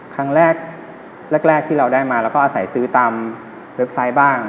ครั้งแรกแรกที่เราได้มาเราก็อาศัยซื้อตามเว็บไซต์บ้าง